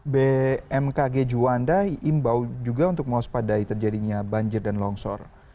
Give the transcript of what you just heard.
bmkg juanda imbau juga untuk mewaspadai terjadinya banjir dan longsor